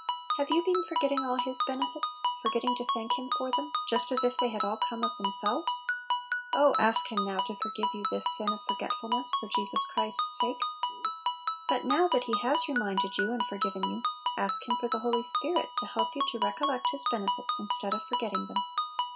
Have you been forgetting all His benefits, forgetting to thank Him for them, just as if they had all come of themselves? Oh, ask 34 Little Pillows. Him now to forgive you this sin of forgetfulness, for Jesus Christ's sake! But now that He has reminded you and forgiven you, ask Him for the Holy Spirit to help you to recollect His benefits instead of forgetting them.